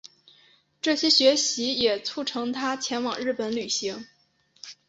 这些学习也促成他前往日本旅行。